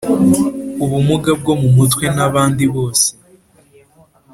ubumuga bwo mu mutwe n abandi bose